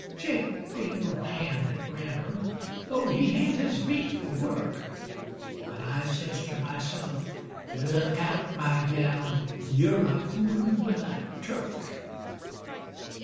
Jake ain't no hand at grammar, though he hain't his beat for work; But I sez ter myself, "Look out, my gal, yer a foolin' with a Turk!"